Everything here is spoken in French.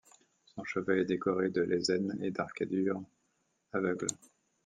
Son chevet est décoré de lésènes et d'arcatures aveugles.